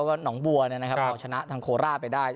ก็หนองบัวเนี่ยนะครับเอาชนะทางโคลาไปได้